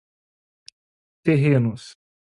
terrenos